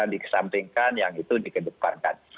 dikesampingkan yang itu dikedeparkan